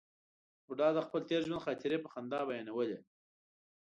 بوډا د خپل تېر ژوند خاطرې په خندا بیانولې.